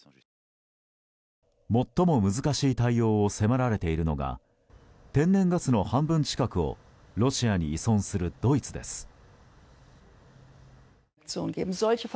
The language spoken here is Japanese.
最も難しい対応を迫られているのが天然ガスの半分近くをロシアに依存するドイツです。